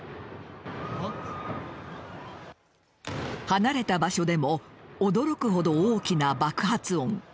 離れた場所でも驚くほど大きな爆発音。